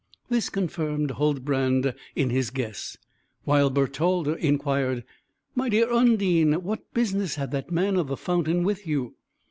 This confirmed Huldbrand in his guess; while Bertalda inquired, "My dear Undine, what business had that man of the fountain with you?"